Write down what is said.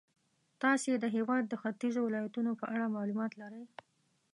تاسې د هېواد د ختیځو ولایتونو په اړه معلومات لرئ.